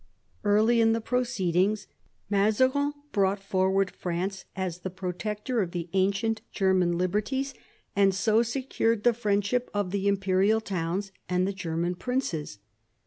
Early in the proceedings Mazarin brought forward France as the protector of the ancient German liberties, and so secured the friendship of the imperial towns and the German princes.